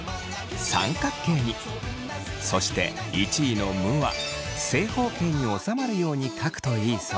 そして１位の「む」は正方形に収まるように書くといいそう。